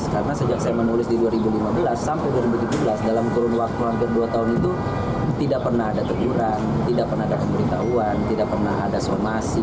karena sejak saya menulis di dua ribu lima belas sampai dua ribu tujuh belas dalam kurun waktu hampir dua tahun itu tidak pernah ada teguran tidak pernah ada keberitauan tidak pernah ada somasi